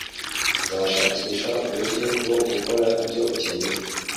Nzashakisha uburyo bwo gukora ibyo ukeneye.